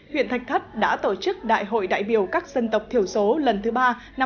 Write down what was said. huyện thạch thắt đã tổ chức đại hội đại biểu các dân tộc thiểu số lần thứ ba năm hai nghìn một mươi chín